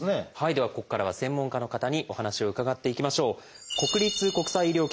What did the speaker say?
ではここからは専門家の方にお話を伺っていきましょう。